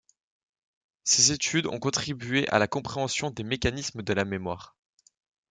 Ces études ont contribué à la compréhension des mécanismes de la mémoire.